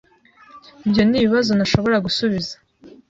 Ibyo nibibazo ntashobora gusubiza.